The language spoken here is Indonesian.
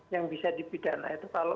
yang bisa dipidana itu kalau